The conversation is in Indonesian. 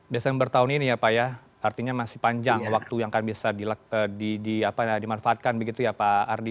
desember tahun ini ya pak ya artinya masih panjang waktu yang akan bisa dimanfaatkan begitu ya pak ardi